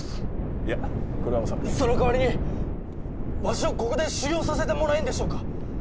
いやこれは納めてその代わりにわしをここで修業させてもらえんでしょうか？